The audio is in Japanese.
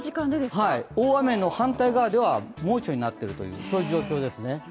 大雨の反対側では猛暑になっているという状況ですね。